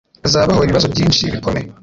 Hazabaho ibibazo byinshi bikomeye